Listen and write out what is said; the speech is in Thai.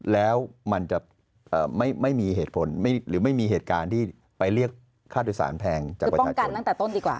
แล้วมันจะไม่มีเหตุผลหรือไม่มีเหตุการณ์ที่ไปเรียกค่าโดยสารแทงจากประชาชน